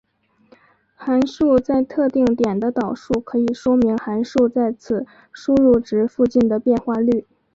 函数在特定点的导数可以说明函数在此输入值附近的变化率。